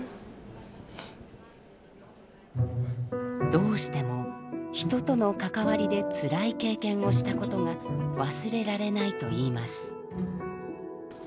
どうしても人との関わりでつらい経験をしたことが忘れられないといいます。